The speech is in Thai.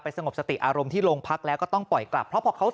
สงบสติอารมณ์ที่โรงพักแล้วก็ต้องปล่อยกลับเพราะพอเขา